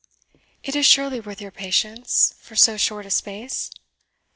It is surely worth your patience, for so short a space?"